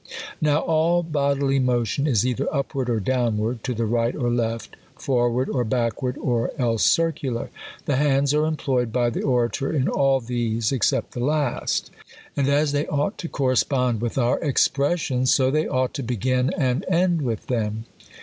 Now, all bodily motion is either upward or down ward, to the right or left, forward or backward, or else circular. I'he hands are employed by the orator in all these except the last. And as they ought to cor respond with our expressions, so they ought to begin and end with them.